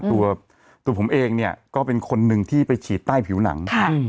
ตัวตัวผมเองเนี่ยก็เป็นคนหนึ่งที่ไปฉีดใต้ผิวหนัง